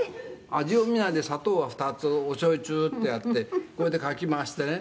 「味を見ないで砂糖は２つおしょうゆチューってやってこうやってかき回してね